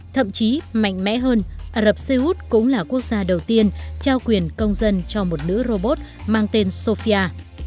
thậm chí mạnh mẽ hơn ả rập xê út cũng là quốc gia đầu tiên trao quyền công dân cho một nữ robot mang tên sofia